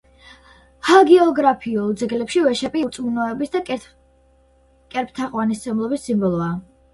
ჰაგიოგრაფიულ ძეგლებში ვეშაპი ურწმუნოების და კერპთაყვანისმცემლობის სიმბოლოა.